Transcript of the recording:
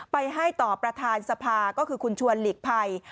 ไปให้ต่อประธานสภาก็คือคุณชวนหลีกภัย